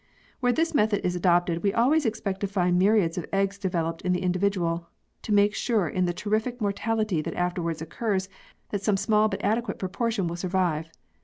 Where this method is adopted we always expect to find myriads of eggs developed in the individual, to make sure in the terrific mortality that afterwards occurs that some small but adequate proportion will survive.